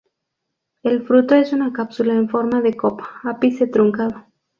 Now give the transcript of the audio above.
El fruto es una cápsula en forma de copa, ápice truncado.